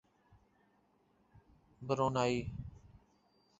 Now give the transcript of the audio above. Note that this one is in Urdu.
برونائی